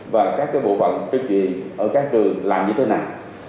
và các cái bộ phận truyền truyền ở các trường làm như thế nào